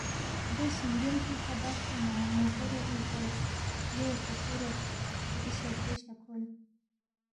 دے شِنگیل پیکھہ ببسے نہ موفوروغی زیرس، لے فوفوروق کِھری شزدے شہ کھول،